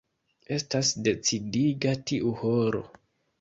Estas decidiga tiu horo.